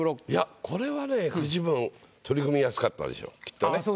いやこれはねフジモン取り組みやすかったでしょきっとね。